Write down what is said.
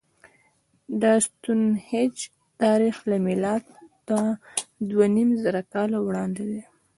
د ستونهنج تاریخ له میلاده دوهنیمزره کاله وړاندې دی.